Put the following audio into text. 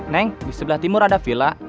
neng di sebelah timur ada villa